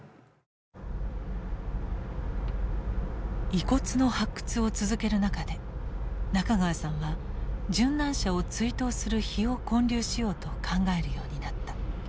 遺骨の発掘を続ける中で中川さんは殉難者を追悼する碑を建立しようと考えるようになった。